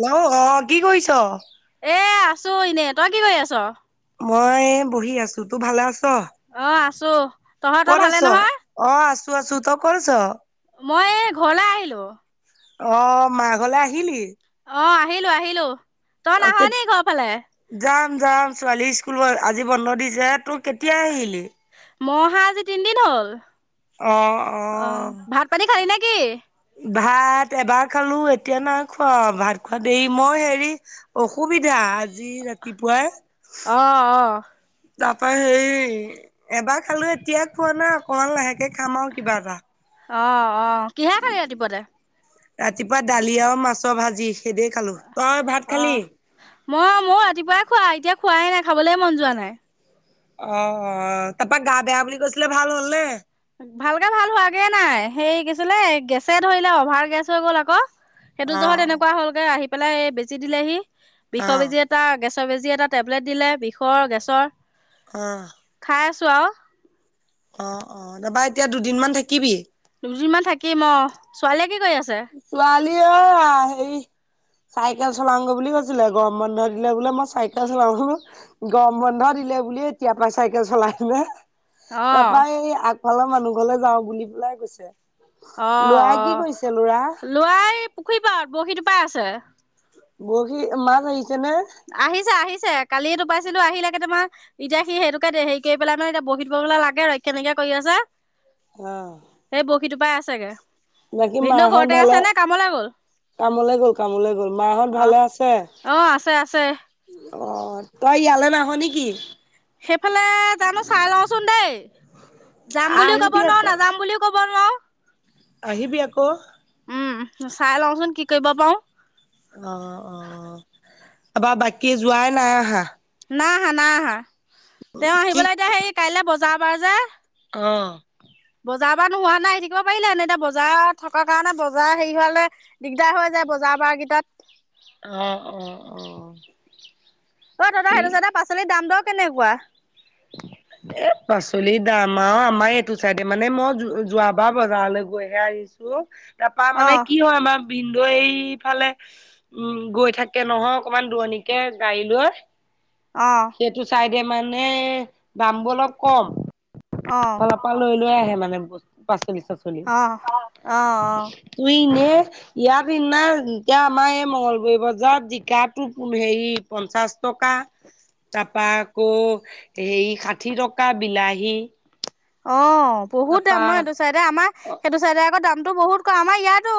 Hello অ কি কৰিছ এ আছো এনে তই কি কৰি আছ মই বহি আছো তোৰ ভালে আছ অ আছো ক'ত তহঁতৰ আছ? ভালে নহয় অ আছো আছো তই কছ মই ঘৰলৈ আহিলো অ মা ঘৰলে আহিলি অ আহিলো আহিলো তই অ নাহ কে নি ঘৰ ফালে যাম ছোৱালী স্কুল আজি বন্ধ দিছে তই কেতিয়া আহিলি মই অহা আজি তিনিদিন হ'ল অ অ আহ ভাত পানী খালি নে কিি ভাত এবাৰ খালো এতিয়া নাই খোৱা ভাত খোৱা দেৰি মই হেৰি অসুবিধা আজি ৰাতিপুৱাই অ অ তাৰ পৰা হেই এবাৰ খালো এতিয়া খোৱা নাই অকমান লাহেকে খাম আৰু কিবা এটা অ অ কিহে কৰে ৰাতিপুৱাতে ৰাতিপুৱা দালি আৰু মাছৰ ভাজি সেইদে খালো তই ভাত অ খালি মই মও ৰাতিপুৱাই খোৱা এতিয়া খোৱাই নাই খাবলে মন যোৱা নাই অ তাৰাপা গা বেয়া বুলি কৈছিলে ভাল হ'লনে ভালকে ভাল হোৱাগে নাই সেই কিছিলে গেছে ধৰিলে অভাৰ গেছ হৈ গ'ল আকৌ সেইটো অ জহত এনেকুৱা হ'লগে আহি পেলাই বেজি দিলেহি অ বিষ বেজি এটা গেছ বেজী এটা টেবলেট দিলে বিষৰ গেছৰ অ পাই আছোঁ আৰু অ অ ৰবা এতিয়া দুদিন মমান থাকিবি দুদিনমান থাকিম অ ছোৱালীয়ে কি কৰি আছ ছোৱালী আ হেৰি চাইকেল চলাংগে বুলি কৈছিলে গৰম বন্ধ দিলে বোলে মই চাইকেল চলাও গৰম বন্ধ বুলি এতিয়া পাই চাইকেল চলাই কিনে অ তাৰাপা এই আগফালৰ মানুহ ঘৰলে যাওঁ বুলি পেলাই কৈছে অ লৰাই অ কি কৰিছে লৰা লৰা এই পুখুৰীৰ পত বৰশী টোপাই আছে বৰশী মাছ নে আহি যে আহি কালিয় তো পাইছিলো আহিলে তোমাৰ এতিয়া সি সেইটোকে হে কৰি পেলাই মানেতিয়া বহত বলা লাগে ৰক্ষা নকিয় কৰি আছা অহ সিটোপাই আছেগে ভিনদেউ ঘৰতে আছে নে কামলৈ গ'ল কামলে গ'ল কামলৈ গ'ল মাহত অ ভালে আছে অ', আছে আছে অ তই ইয়ালে নাহ নেকি সেইফালে যামো চাই লওঁচোন দেই যাম বুলিও ক'ব আহিবি ন আকৌ নাযাম বুলিও ক'ব নোৱাৰো আহিবি আকৌ উম চাই লওঁচোন কি কৰিব পাৰো অ অ তপৰা বাকী জোঁৱাই নাই অহা নাই হা নাই হা তেওঁ আহিবলৈ এতিয়া হেৰি কাইলৈ বজাৰ বাৰ যে অ বজাৰ পৰা নোহোৱা নাই থাকিব পাৰিলে এনে এতিয়া বজাৰ থকাৰ কাৰণে বজাৰ হেৰি হোৱে দিগদাৰ হৈ যায় বজাৰ বজাৰ বাৰ কেইটাত অ অ অ অ দাদা ঠিক সেইটো চাদা পাচলিৰ দাম দৰ কেনেকুৱা উ এ পাচলি দাম আৰু আমাৰ এইটো চাইডে মানে মই যোৱাবাৰ বজাৰলৈ গৈহে আহিছো তাৰাপা মানে অ', কি হয় আমাৰ ভিনদেউ এইফালে উম গৈ থাকে নহয় অকমান দূৰণিকে গাড়ী লৈ অ', সেইটো চাইদে মানে দামবোৰ অলপ কম সেই অ', ফালৰ পৰা লৈ লৈ আহে মানে পাচলি শাক পাচলি অ', অ', অ', এই ইয়াৰ দিনা এতিয়া আমাৰ এই মংগলগুৰি বজাৰ জিকাটো হেৰি পঞ্চা পঞ্চাচ টকা তাৰাপা আকৌ সেই ষাঠি টকা বিলাহী অ বহুত দাম তাৰপা ন সেইটো চাইডে আমাৰ অ সেইটো চাইডে আকৌ দামটো বহুত কম আমাৰ ইয়াতো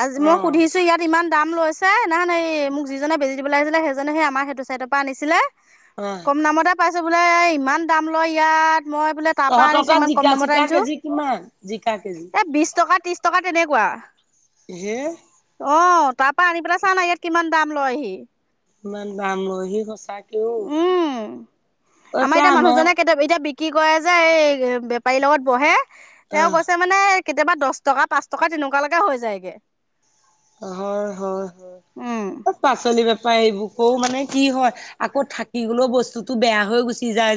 আজি মই সুধিছো অ ইয়াত ইমান দাম লৈছে নহয়নে এই মোক যিজনে বেজি দিবলৈ আহিছিলে সেইজনেহে আমাৰ সেইটো ছাইডৰ পৰা আনিছিলে কম দামতে পাইছো বোলে ইমান দাম লয় ইয়াত মই বোলে তাৰ পৰাা তহঁতৰ আনিছো তাত ইমান কম জিকা দামত চিকা আনিছো কেজি কিমান জিকা কেজি এই বিশ টকা ত্ৰিশ টকা তেনেকুৱা সে অ তাৰ পৰা আনি পেলাই চা না ইয়াত কিমান দাম লয় আহি ইমান দাম লইহি সঁচাক উম আমাৰ এতিয়া মানুহজনে কেতিয়াবা এতিয়া কি কৰেয় যে এই বেপাৰীৰ লগত বহে তেওঁ কৈছে আহ মানে কেতিয়াবা দচ টকা পাঁচ টকা তেনেকুৱা লৈকে হৈ যায়গে হয় হয় হয় উম পাচলি বেপা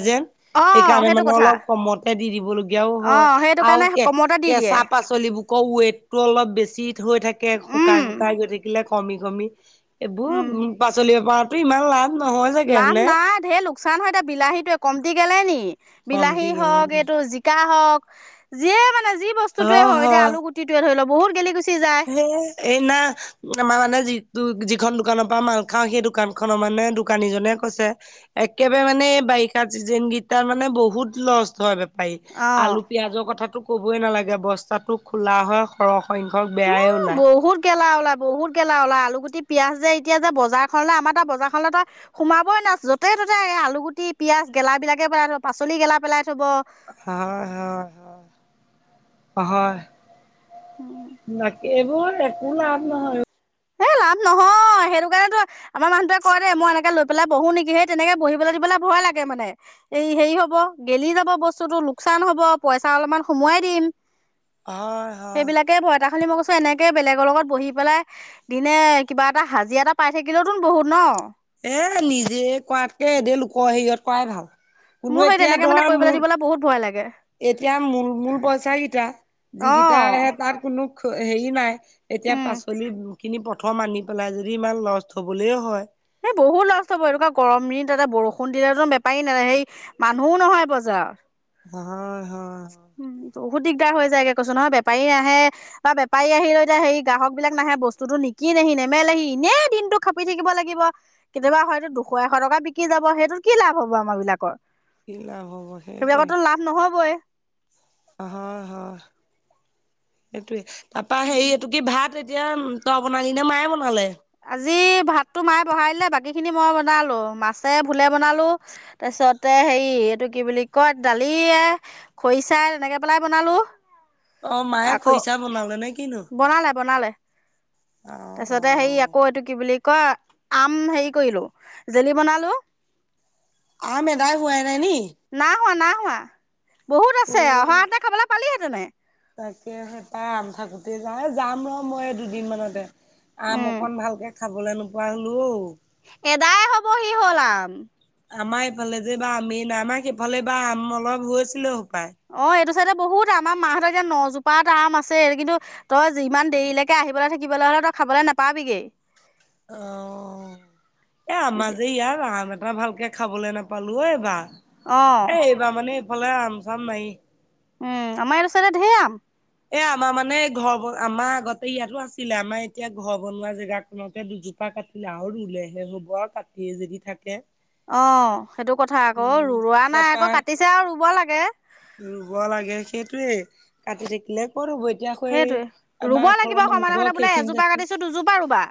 [unintelligible] অ সেইকাৰণে সেইটো মানে কথা অলপ কমতে দি দিবলগীয়াও অ হয় সেইটো আৰু কাৰণে কে কমতে দি দিয়ে কেঁচা পাচলিবোৰ ক ৱেইটটো অলপ বেছি হৈ থাকে শুকাই উম শুকাই গৈ থাকিলে কমি কমি এইবোৰ উম পাচলিব পৰাতো ইমান লাভ নহয় চাগে লাভ হয়নে নাই ঢে ল লোকচান হয় এতিয়া বিলাহীটো কম তি গ'লে নি কমটি বিলাহী গেলে হওক এইটো জিকা হওক যে মানে যি বস্তুয় হয় হও এতিয়া হয় আলু গুটিটোয়ে ধৰি লওঁক বহুত গেলি গৈছি হে এই ন আম মানে যি যিখন দোকানৰ পৰা মাল খাও সেই দোকান খনৰ মানে দোকানীজনে কৈছে একেবাৰে মানে বাৰিষা চিজ গেইটাৰ মানে বহুত লষ্ট হয় ব অ আলু পিয়াজৰ কথাাতটো কবই নালাগে বস্তাটো খোলা হয় সৰহ হয় ন ক বেয়াই উম ওলায় বহুত গেলা বহুত গেলা লাই আলুটি পিয়য়াজ যে এতিয়া যে বজাৰ খলে আমাৰ এটা বজাৰ খনেলে ত সোমাবই নো য' ততে এই আলুটি পিয়াঁজ গেলাাবিলাকে পেলাই থ পাচলি গেলা পেলাই থব হয় হয় হয় হয় উম, এইবোৰ একো লাভ নহয় হেই লাভ নহয় সেইটো কাৰণেতো আমাৰ মানুহটোৱে কয় দে মই এনেকে লৈ পেলাই বহো নেকি সেই তেনেকে বহিবলৈ দিবলৈ ভয় লাগে মানে এই হেৰি হব গেলি যাব বস্তুতটো লোকচান হব পইচা অলপমান সোমোৱাই দিম হয় হয় সেইবিলাকে বই এটা খালি মই কৈছো এনেকে বেলেগৰ লগত বহি পেলাই দিনে কিবা এটা হাজি এটা পাই থাকিলেওতোন বহুত ন এ নিজে কৰাতকে এদ লোকৰ হেৰিয়ত কৰাই ভাল কোনো মোৰ সেই এতিয়া তেনেকে মানে ধৰ কৰিবলৈ মোৰ দিবলৈ বহুত ভয় লাগে এতিয়া মূল মূল পইচা কেইটা অ যিকিটা আহে তাত কোন হেৰি নাই এতিয়া উম পাচলি খিনি প্ৰথম আনি পেলাই যদি ইমান লষ্ট হবলৈও হয় এই বহুত লষ্ট হনকা গৰম দিন তাতে বৰষুণ দিলেো বেপাৰী নাে সেই মানুহো নহয় বজাৰ অ উম বহুত দিগদাৰ হৈ যায়গে কৈছো নহয় বেপাৰী আহে বা বেপাৰী আহিলে এতিয়া হেৰি গাহক বিলাক নাহে বস্তুতটো নিকি নহি নেমেলহি এনেই দিনতটো খাপি থাকিব লাগিব কেতিয়াবা হয়তো দুশ এশ টকা বিকি যাব সেইটোত কি লাভ হব আমাৰ বিলাকৰ কি লাভ হ'ব সেইটোৱে সেইবিলাকো লাভ নহবই হয় হয় সেইটোৱে তাপা হেৰি এইটো কি ভাত এতিয়া তই বনালি নে মায়ে বনালে আজি ভাতো মায়ে বহাই বাকী খিনি মই বনালো মাছে ভুলে বনালো তাছত পিছতে হেৰি এইটো কি বুলি কয় দালিয়ো খৰিচাই তেনেকে পেলাই বনালো অ মায়ে আকৌ খৰিচা বনালে নে কিনো বনালে বনালে অ অ তাৰপিছতে হে আকৌ এইটো কি বুলি ক আম হেৰি কৰিলো আম জেলি বনালো নাই [unintelligible] হোৱা নাই বহুত অ আছে অহা এতে খাবলৈ পালিহেতেনে তাকে সেই তাই আম থাকোতে যা যাম ৰ মই দুদিনমানানতে আম উম অকন ভালকে খাবলৈ নোপোৱা হ'লো অঔ এদাই হবহি হলাউ আমাৰ এইফালে যে বা আমি ন আমাক সেইফালে বা আম অলপ হৈছিলো অ এইটো তে বহুত আমাৰ মাহতৰ এতিয়া নজোপাত আৰাম আছে কিন্তু তই ইিমান দেৰিলৈকে আহিবলৈ থাকিব লাগ ত খাবলৈ নাপাবিগে অ এ আমাজে ইয়াৰ আহাৰ মানে আা ভালকে খাবলৈ নোপালো এইবা অ এই এইবা মানে এইফালে আম চাম নাইি উম আমাৰ ওচৰে ধোম এ আমাৰ মানে ঘৰ আমাৰ আগতে ইয়াতো আছিলে আমাৰ এতিয়া ঘৰ বনোৱা জেগাখনকে দুযোপ কা কাটিলে আৰু ৰুলেহে হ'ব কাটি যদি থাকে অ সেইটো কথা আকৌ উম। ৰুোৱা নাই তাপা আকৌ কাটিছে আৰু ৰুব লাগে ৰুব লাগে সেইটোৱে কাটি থাকিলে কৰব সেইটোৱে এতিয়াাক ৰুব আমাক লাগিব অলপমান সমানে সমানে নঘৰক বোলে সেইখিনি এজোপা আছে কাটিছো দুজোপা ৰুবা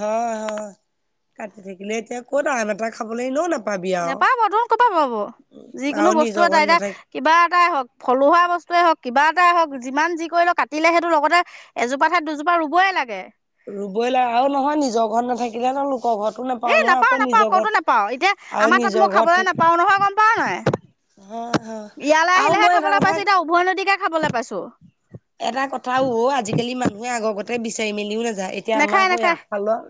হয় হয় কাটি থাকিলে এতিয়া ক'ত আন এটা খাবলৈ ন নাপা নোপাব ত ক'ৰ পৰা পাব আৰু যিকোনো বস্তু নিজৰ এটা ঘৰত এতিয়া নাথাকি কিবা হওক থলুৱা বস্তুৱে হওক কিবা এটাই হওক যি যি কৰি লও কাটিলে সেইটো লগতে এজোপা ঠাইত দুজোপা ৰুবই লাগে ৰুবই লাগ আৰু নহয় নিজৰ ঘৰত নাথাকিলে ন লোক এ নাপাও নাপাও কতো নাপাও এতিয়া আৰু আমাৰ তাত নিজৰ মই ঘৰত খাবলৈ থাকি নাপাও নহয় গম পাও নহয় হয় হয় ইয়ালৈ আৰু মই আহিলেহে এটা খাবলৈ কথা পাইছো এতিয়া উভয় নদীকে খাবলৈ পাইছো এটা কথাও হ' আজিকালি মানুহে আগৰতে বিচাৰি মেলিও না এতিয়া আমাৰ নেখায় স নেখায় আগফালৰ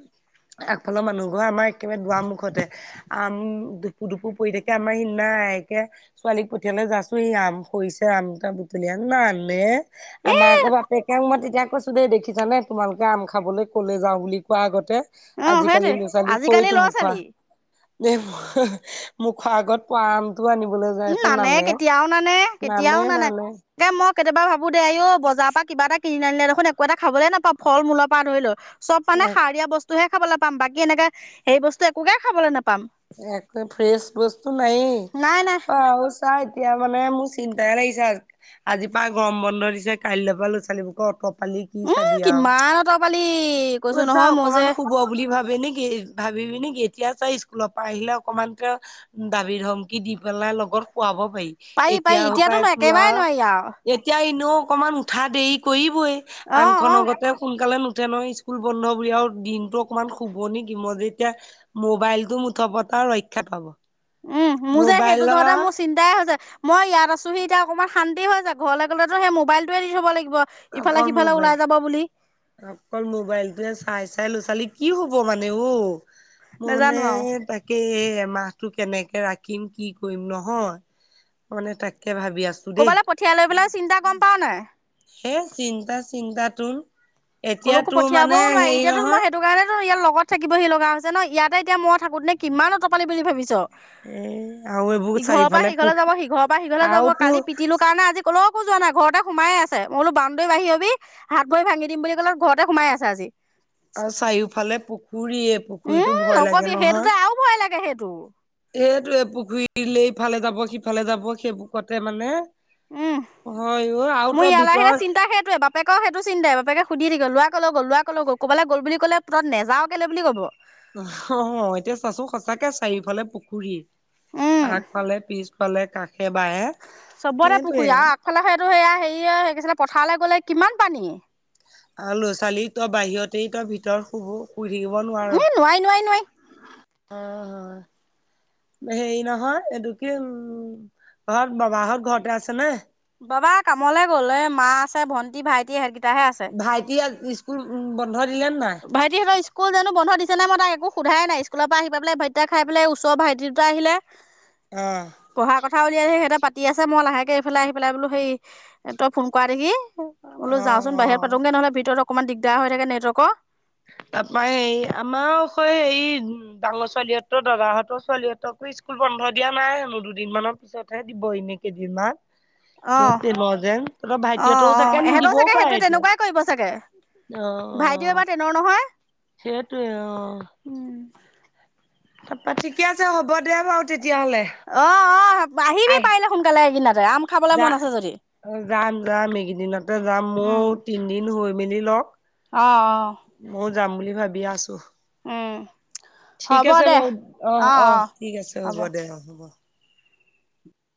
আগফালৰ মানুহ ঘৰ আমাৰ একেবাৰে দুৱাৰ মুখতে আম দুপু দুপু পৰি থাকে আমাৰ সিদিনা একে কালিক পঠিয়ালে যাছো ই আম শৰিছে আম এটা বুটলি আন ন আনেে এই আমাৰ আকৌ বাপেকেও মই তেতিয়া কৈছো দেই দেখিছানে তোমালোকে আম খাবলৈ ক'লে যাওঁ বুলি কোৱা আগতে অঁ আজিকালি সেইটোৱে ল' ছোৱালী আজিকালি ল'ৰা খৈতোমোখোৱা ছোৱালী দেেই মুখৰ আগত পোৱাম উ নানে কেতিয়াও নানে কেতিয়াও নানে ত মই কেতিয়াবা ভাবো দে এইও বজাৰৰ পৰা কিবা এটা কিনি আনিলে দেখোন একো এটা খাবলে নাপাওঁ ফল মূৰ পৰা ধৰি লও চব মানে এক সাৰীয়া বস্তুহে খাবলৈ পাম বাকী এনেকে সেই বস্তু একোকে খাবলৈ নাপাম একো ফ্ৰেছ বস্তু নাই নাই নাই বা াৰ এতিয়া মানে মোৰ চিন্তাইে লাগিছে আজি পৰাা গৰম বন্ধ দিছে কাইলৈ পৰা ল'ৰা ছালীবোৰক অটপ পালি কি উম চাবি আৰু কিমান অত পালি কৈছো জা নহয় মোৰ অকমান যে শুব বুলি ভাবে নেকি ভাবি পিিনিকি এতিয়া চাই স্কুলৰ পৰা আহিলে অকনমানক দাবিৰ ধমকি দি পেলাই লগত খোৱাব পাৰি এতিয়া পাৰি এতিয়াতো পায় ন ত একেবাৰে নোৱাৰি আৰু এতিয়া অকমান উঠা দেৰি কৰিবই অ আনখনন অ আগতে সোনকালে নুঠে নয় স্কুল বন্ধ বুলি আৰু দিনটো অকণমান শুবনি কিি মই যে এতিয়া মোবাইলতটো মুঠ পতা ৰক্ষাত পাব উম মোৰ যে সেইটো মোবাইলৰ যহতে মোৰ চিন্তাই হৈ যায় মই ইয়াতছোি এয়া অকনমান শান্তি হৈায় ঘৰলে'লেতো সেই মোবাইলোৱ দি থব লাগিব িব ইফালে সিফালে ওলাই যাব বুলি অকল মোবাইল োৱে চাই চাই ল'ৰা ছোৱালী কি হব মানে অ মোৰ মানে নেজানো আৰু তাকে মাহটো কেনেকে ৰাখিম কি কৰিম নহয় মানে তাকে ভাবি আছো দেই কবালৈ পঠিয়াই লৈ পেলাই চিন্তা গম পাও নাই হে চিন্তা চিন্তা তোন ক'কো পঠিয়াবও নোৱাৰাৰে এতিয়াতো মই সেইটো কাৰণেো ইয়াত লগ লগত থাকিবহি লগা হৈছে ন ইয়াতে এতিয়া মই থাকোঁনেে কিমান অতৰপালি বুলি ভাবিছ এ আৰু এইবোৰ ইঘৰৰ পৰা চাৰিওফালে সিঘৰলৈ পুখু যাব সিঘৰৰ পৰা সিঘৰলৈ আৰু যাব তোৰ কালি পিতিলো কাৰণে আজি কল একো যোৱা নাই ঘৰতে সোমাই আছেইো বানদৈী বাহিৰ অবি হাত ভৰি ভাঙি দিম বুলি ক'লে ঘৰতে সোমাই আছে আজি আৰু চাৰিওফালে পুখুৰীয়ে পুখুৰীতটো উম ভয় লাগে নকবি সেইটোতে আৰু ভয় লাগে সেইটো নহয়। সেইটোে পুখুৰীলৈ ইফালে যাব সিফালে যাব সেইবোৰ কতে মানে, উম হয় অ আৰু মোৰ তই ইয়াল আহিৰে ভিতৰত চিন্তা সেইটয়ে বাপেকও সেইটো চিন্তাই বাপেকে সুধি থি লোৱা কলে গ'ল লোৱা ক'লে গ' ক'বাল গল বুলি কলে তত নাও কেলে বুলি ক'ব। অ এতিয়া চাচো সঁচাকে চাৰিওফালে পুখুৰী, আগফালে পিছফালে কাষে বাহে চবৰে সেইটোৱে। পুখুৰী আৰু আগফালাখেইটো সেয়াই, হেৰিয় সছিলে পথাৰলৈ গ'লে কিমান পানী। আৰু ল'ৰা ছোৱালী তই বাহিৰতে তই ভিতৰত শুবো পু থাকিব নোৱাৰ ই নোৱাৰি নোৱাৰি নোৱাৰি অ' হেৰি নহয় এইটো কি উম ঘৰত বাবা ঘৰত ঘৰতে আছে নে? বাবা কামলৈ গ'ল এ মা আছে ভণ্টি ভাইটি স ভাইটি স্কুল উ বন্ধ দিলে নে নাই? ভাইটি সহঁত স্কুল জানো বন্ধ দি। ননে মই তাক একো সোধাই স্কুলৰ পৰা আহিেলাই ভাইটা খাইেলাই ওচৰ ভাইি দুটা আহিলে। আহ! পঢ়া কথা উলিয়াই আহে সিহঁতে পাতি আছে মই লাহেকৈ এইফালাই আহি পেলাই বোলো সেই তই ফোন কৰা দেগি অ', বোলোাচোন বাহিৰত অ'। পাতোগৈ নহলে ভিতৰত অকনমান দিগদাৰ হৈ থাকে নেটৱৰ্কৰ তাৰ পৰাৰা হ আমাৰ হেৰি ডাঙৰ ছোৱালীহতৰ দাদাহঁতৰ ছোৱালীহঁতকো। স্কুল বন্ধ দিয়া নাই হেনো দুদিনমানানৰ পিছতহে দিব এনেই কেইদিনমান, সিহঁত আহ তেলৰ যেন তহঁতৰ ভাইটিহঁতৰো আহ চাগে আহ এহেঁতৰ নিদিবও চাগে পাৰে সেইটোোৱে এতিয়া। তেনেকুৱাই কৰিব চাগে। ভাইটিউ এবাৰ তেনৰ নহয়, চেইটোৱে অ' উম! তাৰপা ঠিকে আছে হ'ব দে বাৰু তেতিয়া, অ অ আহিবি আই পাৰিলে সোনকালে সকিনতে আম খাবলৈ যা মন আছে যদি যাম যাম এইকেইদিনতে যাম ময় তিনদিন হৈ মেলি লওক আহ! আহ! ময়ো যাম বুলি ভাবি আছো। ঠিক হ'ব আছে দে বাৰু অ আহ অ আহ ঠিক আছে হ'ব দে অ হ'ব।